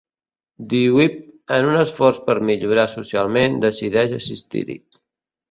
Dweeb, en un esforç per millorar socialment, decideix assistir-hi.